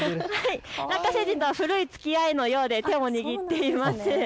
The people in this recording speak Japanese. ラッカ星人と古いつきあいのようで手を握っています。